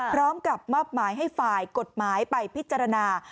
พร้อมกับมอบหมายให้ฝ่ายปฏิบิตารณา